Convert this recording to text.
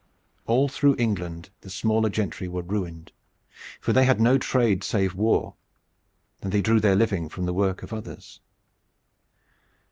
All through England the smaller gentry were ruined, for they had no trade save war, and they drew their living from the work of others.